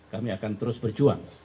kami akan terus berjuang